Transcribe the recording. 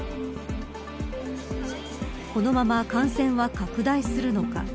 このまま感染は拡大するのか。